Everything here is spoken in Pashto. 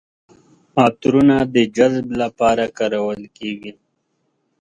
عطرونه د جذب لپاره کارول کیږي.